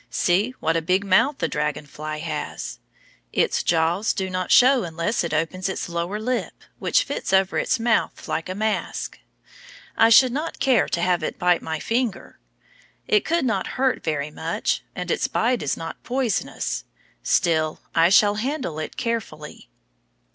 See what a big mouth the dragon fly has. Its jaws do not show unless it opens its lower lip, which fits over its mouth like a mask. I should not care to have it bite my finger. It could not hurt very much, and its bite is not poisonous, still I shall handle it carefully.